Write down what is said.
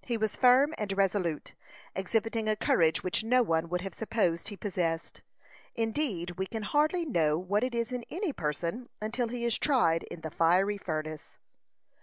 He was firm and resolute, exhibiting a courage which no one would have supposed he possessed; indeed, we can hardly know what is in any person until he is tried in the fiery furnace.